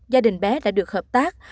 gia đình bé đã được hợp tác